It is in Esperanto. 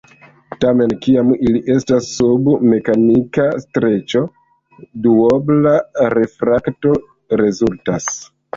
Tamen, kiam ili estas sub mekanika streĉo, duobla refrakto rezultas.